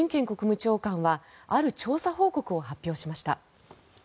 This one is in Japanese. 国務長官はある調査報告を発表しました。